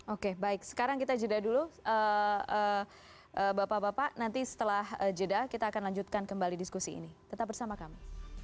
oke baik sekarang kita jeda dulu bapak bapak nanti setelah jeda kita akan lanjutkan kembali diskusi ini tetap bersama kami